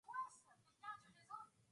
Nitakupigia simu baadaye.